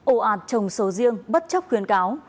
ô ạt trồng sầu riêng bất chấp khuyên cáo